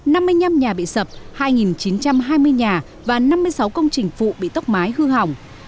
năm mươi năm nhà bị sập hai chín trăm hai mươi nhà và năm mươi sáu công trình phụ bị tốc mái hư hỏng